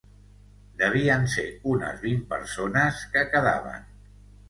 Devien ser unes vint persones, que quedaven.